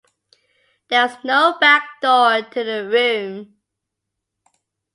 There was no back door to the room.